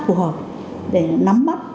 phù hợp để nắm mắt